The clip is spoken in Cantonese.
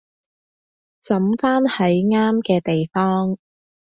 抌返喺啱嘅地方